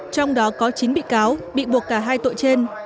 trong đó có chín bị cáo bị buộc cả hai tội trên